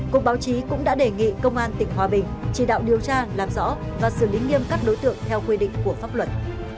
cục báo chí cũng đã đề nghị công an tỉnh hòa bình chỉ đạo điều tra làm rõ và xử lý nghiêm các đối tượng theo quy định của pháp luật